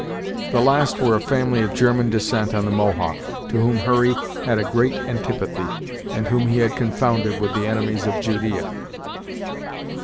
The last were a family of German descent on the Mohawk, to whom Hurry had a great antipathy, and whom he had confounded with the enemies of Judea.